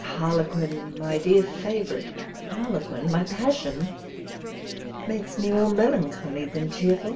harlequin, my dear favourite harlequin, my passion, makes me more melancholy than cheerful.